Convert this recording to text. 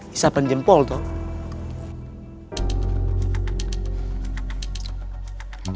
isapan jempol toh